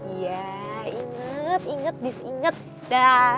iya inget inget disinget daaah